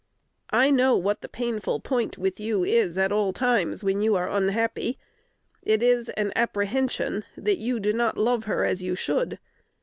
I know what the painful point with you is at all times when you are unhappy: it is an apprehension that you do not love her as you should.